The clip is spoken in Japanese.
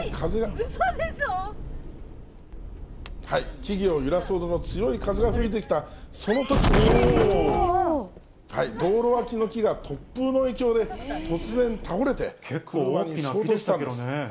木々を揺らすほどの強い風が吹いてきたそのときに、道路脇の木が突風の影響で突然、倒れて、衝突したんです。